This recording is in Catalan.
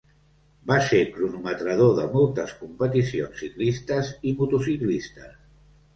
Va ser cronometrador de moltes competicions ciclistes i motociclistes.